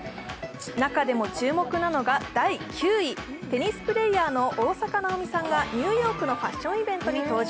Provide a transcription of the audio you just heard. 中でも注目なのが第９位テニスプレーヤーの大坂なおみさんがニューヨークのファッションイベントに登場。